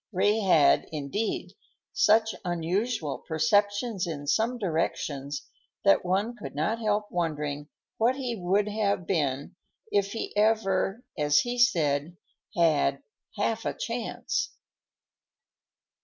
Ray had, indeed, such unusual perceptions in some directions, that one could not help wondering what he would have been if he had ever, as he said, had "half a chance."